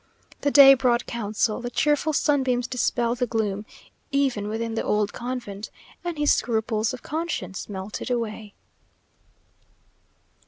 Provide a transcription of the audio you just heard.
The day brought counsel, the cheerful sunbeams dispelled the gloom, even within the old convent, and his scruples of conscience melted away.